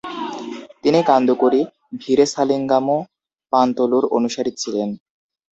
তিনি কান্দুকুরি ভিরেসালিঙ্গামু পান্তুলুর অনুসারী ছিলেন।